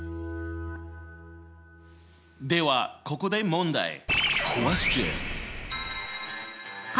ではここで問題！